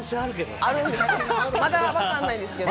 まだ分からないんですけど。